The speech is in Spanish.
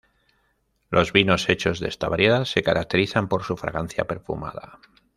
Los vinos hechos de esta variedad se caracterizan por sus fragancia perfumada.